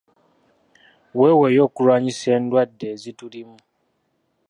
Weeweeyo okulwanyisa endwadde ezitulimu